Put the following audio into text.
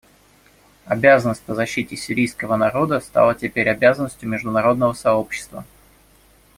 Обязанность по защите сирийского народа стала теперь обязанностью международного сообщества.